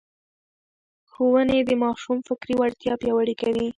ښوونې د ماشوم فکري وړتیا پياوړې کوي.